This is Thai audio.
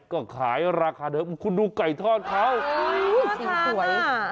ก็ขายราคาเดิมคุณดูไก่ทอดเขาสีสวย